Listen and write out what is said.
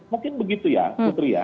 mungkin begitu ya putri ya